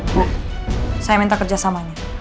bu saya minta kerja samanya